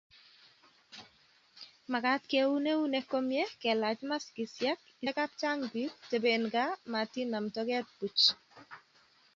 mekat keun eunek komyee, kelach maskisiek, istengei kapchang'bich, teben gaa, matinam toke buch